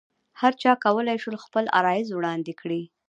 هرچا کولای شول خپل عرایض وړاندې کړي.